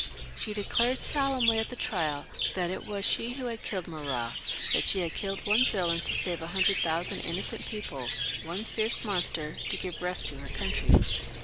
She declared solemnly at the trial that it was she who killed Marat; that she had killed one villain to save a hundred thousand innocent people, one fierce monster to give rest to her country.